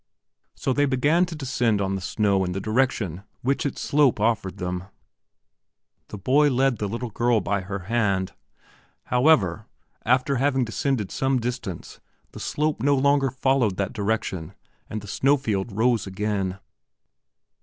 So they began to descend on the snow in the direction which its slope offered them. The boy led the little girl by her hand. However, after having descended some distance, the slope no longer followed that direction and the snowfield rose again.